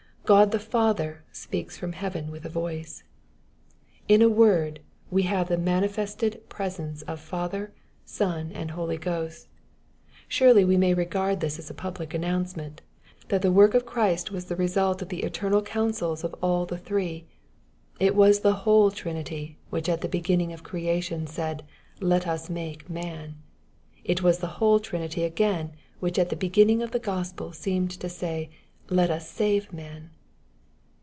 God the Father speaks from heaven with a voice. In a word wo have the manifested presence MATTHEW^ CHAP. UI. 23 of Father, Son, and Holy Ghost. Surely we may regard this as a public announcement, that the work of Christ was the result of the eternal counsels of all the Three. It was the whole Trinity, which at the beginning of creation said, ^^ let us make man.'' It was the whole Trinity again, which at the beginning of the Gospel seemed to say, " let us save man.''